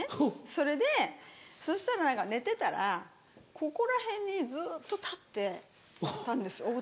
それでそしたら寝てたらここら辺にずっと立ってたんです太田が。